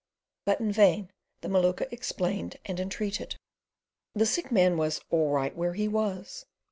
But in vain the Maluka explained and entreated: the sick man was "all right where he was."